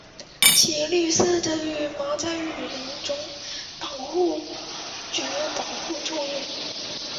其绿色的羽毛在雨林中具有保护作用。